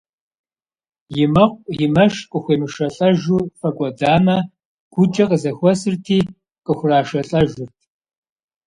И мэкъу, и мэш къыхуемышэлӀэжу фӀэкӀуэдамэ, гукӀэ къызэхуэсырти къыхурашэлӀэжырт.